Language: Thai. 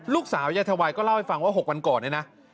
ลูกสาวยายทวายก็เล่าให้ฟังว่า๖วันก่อนนะ